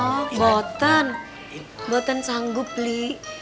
oh botan botan sanggup li